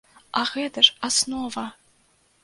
А гэта ж аснова!